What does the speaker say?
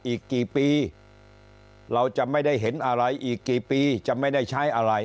อีกกี่ปีเราจะไม่ได้เห็นอะไรอีกกี่ปีจะไม่ได้ใช้อะไร